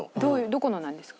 どこのなんですか？